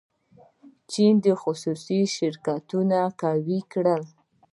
چین خصوصي شرکتونه قوي کړي.